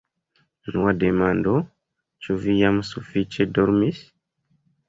Unua demando, ĉu vi jam sufiĉe dormis?